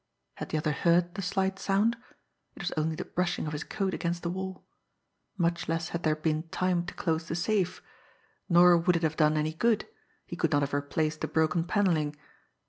Had the other heard the slight sound it was only the brushing of his coat against the wall! Much less had there been time to close the safe nor would it have done any good he could not have replaced the broken panelling!